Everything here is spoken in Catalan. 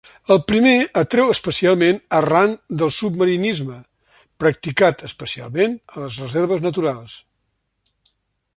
El primer atreu especialment arran del submarinisme, practicat especialment a les reserves naturals.